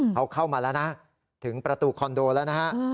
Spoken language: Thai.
เขาเข้ามาแล้วนะถึงประตูคอนโดแล้วนะฮะ